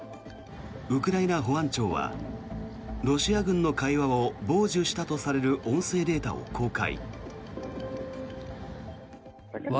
ウクライナ保安庁はロシア軍の会話を傍受したとされる音声データを公開。